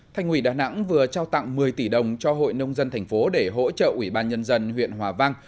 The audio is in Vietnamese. thành ủy đà nẵng vừa trao tặng một mươi tỷ đồng cho hội nông dân thành phố để hỗ trợ ủy ban nhân dân huyện hòa vang